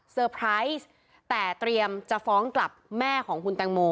ไพรส์แต่เตรียมจะฟ้องกลับแม่ของคุณแตงโม